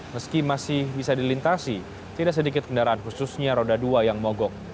meski masih bisa dilintasi tidak sedikit kendaraan khususnya roda dua yang mogok